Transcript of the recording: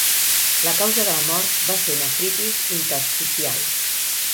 La causa de la mort va ser nefritis intersticial.